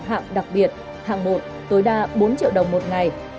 hạng đặc biệt hạng một tối đa bốn triệu đồng một ngày